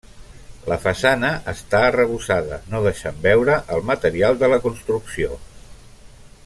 La façana està arrebossada, no deixant veure el material de la construcció.